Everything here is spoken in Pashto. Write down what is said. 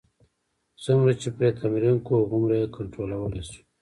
څومره چې پرې تمرین کوو، هغومره یې کنټرولولای شو.